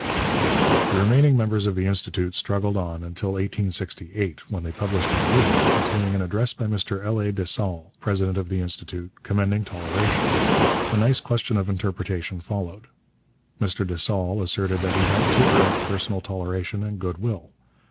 The remaining members of the Institut struggled on until 1868, when they published a Year Book containing an address by Mr L. A. Dessaules, president of the Institut, commending toleration. A nice question of interpretation followed. Mr Dessaules asserted that he meant to urge personal toleration and good will.